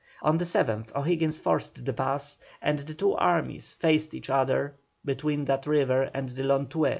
On the 7th O'Higgins forced the pass, and the two armies faced each other between that river and the Lontué.